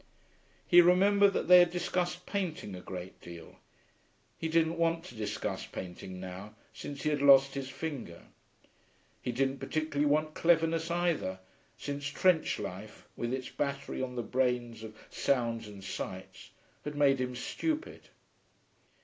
He remembered that they had discussed painting a great deal; he didn't want to discuss painting now, since he had lost his finger. He didn't particularly want cleverness either, since trench life, with its battery on the brain of sounds and sights, had made him stupid....